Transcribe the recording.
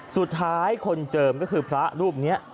สุดท้ายคนเจิมก็คือพระรูปนี้